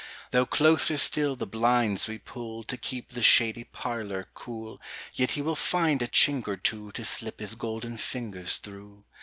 Though closer still the blinds we pullTo keep the shady parlour cool, Yet he will find a chink or twoTo slip his golden fingers through.